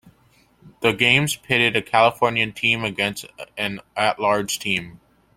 The games pitted a California team against an at-large team.